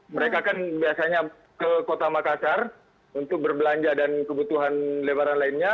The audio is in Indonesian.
mereka kan biasanya ke kota makassar untuk berbelanja dan kebutuhan lebaran lainnya